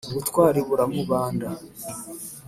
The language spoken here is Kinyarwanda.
Ubutwari buramubanda,